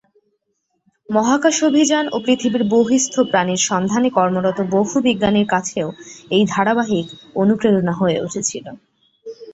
মহাকাশ অভিযান ও পৃথিবী-বহিঃস্থ প্রাণের সন্ধানে কর্মরত বহু বিজ্ঞানীর কাছেও এই ধারাবাহিক অনুপ্রেরণা হয়ে উঠেছিল।